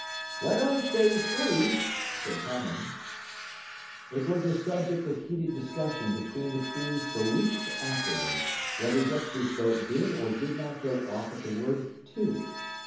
"When I say 'Three,'" said Tomlin. It was a subject of heated discussion between the crews for weeks afterwards whether Dexter's boat did or did not go off at the word "Two."